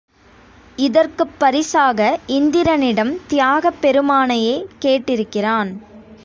இதற்குப் பரிசாக இந்திரனிடம் தியாகப் பெருமானையே கேட்டிருக்கிறான்.